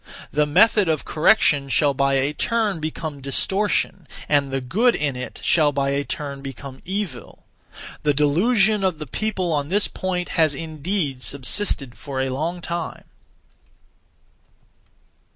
The (method of) correction shall by a turn become distortion, and the good in it shall by a turn become evil. The delusion of the people (on this point) has indeed subsisted for a long time.